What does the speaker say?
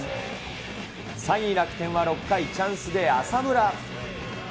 ３位楽天は６回、チャンスで浅村。